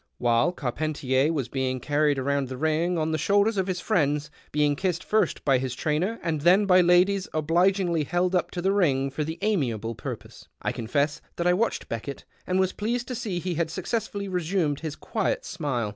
While Carpcnticr was being carried round the ring on the shoulders of his friends, being kissed first by his trainer and then by ladies obligingly held up to the ring for the amiable purpose, I confess that I watched Beckett, and was pleased to see he had successfully resumed h'S quiet smile.